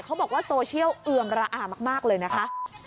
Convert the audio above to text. เขาบอกว่าโซเชียลเอือมระอามากเลยนะคะ